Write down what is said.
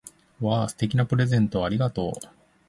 わぁ！素敵なプレゼントをありがとう！